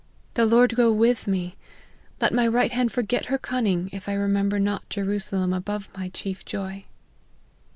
The Lord go with me ! Let my right hand forget her cunning, if I remember not Jerusalem above my chief joy."